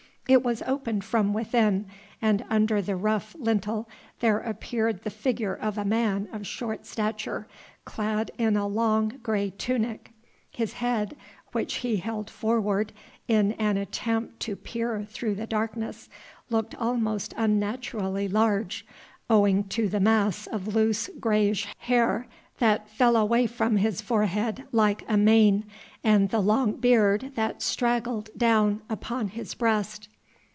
It was opened from within, and under the rough lintel there appeared the figure of a man of short stature, clad in a long grey tunic. His head, which he held forward in an attempt to peer through the darkness, looked almost unnaturally large, owing to the mass of loose greyish hair that fell away from his forehead like a mane, and the long beard that straggled down upon his breast.